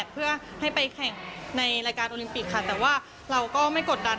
เพื่อให้ไปแข่งในรายการโอลิมปิกค่ะแต่ว่าเราก็ไม่กดดัน